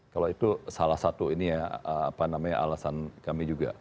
kalau itu salah satu ini ya alasan kami juga